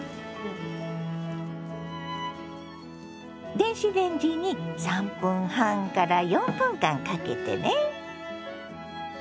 電子レンジに３分半から４分間かけてね。